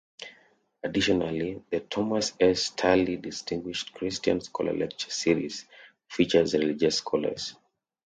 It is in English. Additionally, the Thomas S. Staley Distinguished Christian Scholar Lecture Series features religious scholars.